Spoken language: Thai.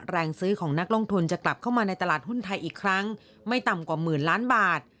แรงซื้อของนักลงทุนจะกลับเข้ามาในตลาดหุ้นไทยอีกครั้งไม่ต่ำกว่าหมื่นล้านบาท